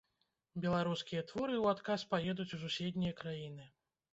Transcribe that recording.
Беларускія творы у адказ паедуць у суседнія краіны.